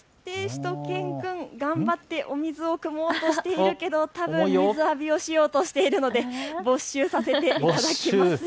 しゅと犬くん、頑張ってお水をくもうとしているけど多分、水浴びをしようとしているので没収させていただきます。